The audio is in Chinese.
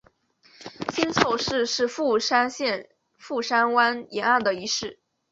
新凑市是富山县富山湾沿岸的一市。